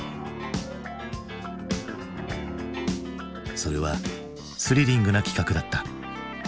それはスリリングな企画だった。